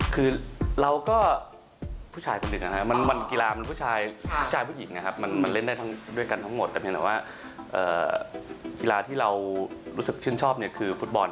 คือเราก็ผู้ชายคนหนึ่งนะครับมันกีฬามันผู้ชายผู้ชายผู้หญิงนะครับมันเล่นได้ด้วยกันทั้งหมดแต่เพียงแต่ว่ากีฬาที่เรารู้สึกชื่นชอบเนี่ยคือฟุตบอล